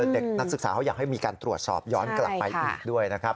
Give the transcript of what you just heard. เด็กนักศึกษาเขาอยากให้มีการตรวจสอบย้อนกลับไปอีกด้วยนะครับ